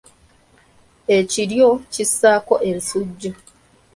Ekiryo kissaako ensujju.